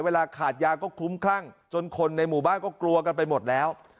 เวลาขาดยาก็คลุ้มคลั่งจนคนในหมู่บ้านก็กลัวกันไปหมดแล้ว